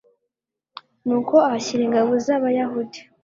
nuko ahashyira ingabo z'abayahudi